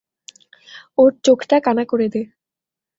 ওর চোখটা কানা করে দে!